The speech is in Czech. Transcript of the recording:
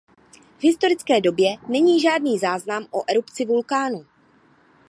V historické době není žádný záznam o erupci vulkánu.